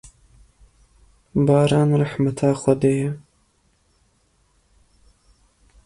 Baran rehmeta Xwedê ye.